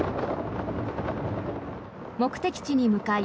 目的地に向かい